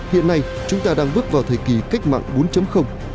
hiện nay chúng ta đang bước vào thời kỳ cách mạng bốn